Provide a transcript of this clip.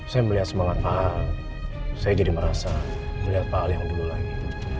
saya melihat semangat pak al saya jadi merasa melihat pak al yang dulu lagi